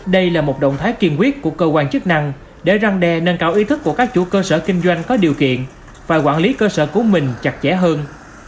đây là một động thái kiên quyết của cơ quan chức năng để răng đe nâng cao ý thức của các chủ cơ sở kinh doanh có điều kiện và quản lý cơ sở của mình chặt chẽ hơn